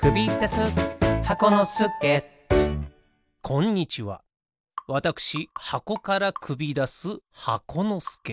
こんにちはわたくしはこからくびだす箱のすけ。